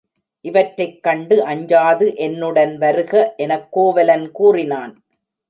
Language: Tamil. இவற்றைக் கண்டு அஞ்சாது என்னுடன் வருக எனக் கோவலன் கூறினான்.